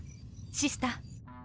シスター。